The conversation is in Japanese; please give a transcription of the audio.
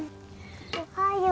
おはよう。